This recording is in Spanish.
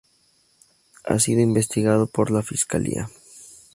Ha sido investigado por la Fiscalía.